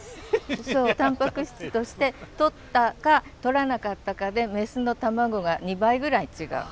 そうタンパク質としてとったかとらなかったかでメスの卵が２倍ぐらい違う。